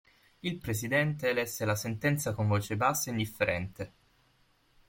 Il presidente lesse la sentenza con voce bassa e indifferente.